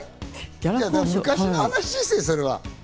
昔の話ですよ、それは。